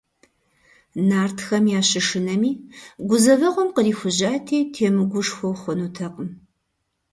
Нартхэм ящышынэми, гузэвэгъуэм кърихужьати, темыгушхуэу хъунутэкъым.